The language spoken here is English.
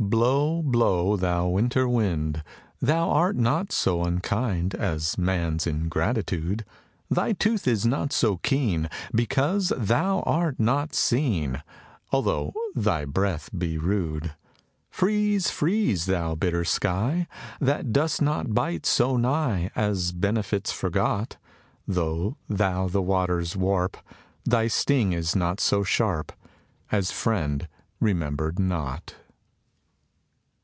"Blow, blow, thou winter wind, Thou art not so unkind As man's ingratitude; Thy tooth is not so keen, Because thou art not seen, Although thy breath be rude. "Freeze, freeze, thou bitter sky, That dost not bite so nigh As benefits forgot; Though thou the waters warp, Thy sting is not so sharp As friend remembered not."